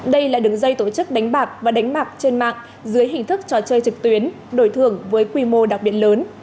đây là đường dây tổ chức đánh bạc và đánh bạc trên mạng dưới hình thức trò chơi trực tuyến đổi thưởng với quy mô đặc biệt lớn